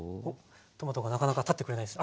トマトがなかなか立ってくれないですね。